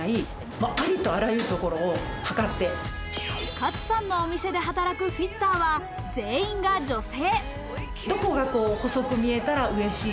勝さんのお店で働くフィッターは全員が女性。